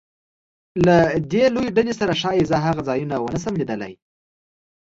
له دې لویې ډلې سره ښایي زه هغه ځایونه ونه شم لیدلی.